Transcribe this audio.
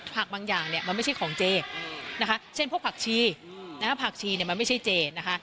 บางอย่างเนี่ยมันไม่ใช่ของเจนะคะเช่นพวกผักชีนะฮะผักชีเนี่ยมันไม่ใช่เจนะคะ